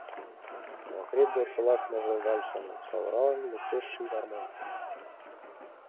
Но акрет годсылак ныжыл вальсым Савыралын луктеш ший гармонь.